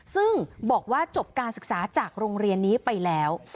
ซึ่งบอกว่าจบการศึกษาจากโรงเรียนนี้ไปแล้ว